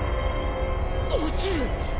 落ちる！